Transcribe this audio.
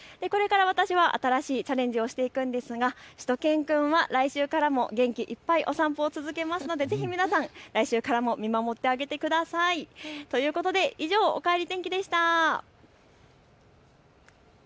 これから私は新しいチャレンジをしていくんですがしゅと犬くんは来週からも元気いっぱいお散歩を続けますのでぜひ皆さん、来週からも見守ってあげてください。ということで以上おかえり天気でした。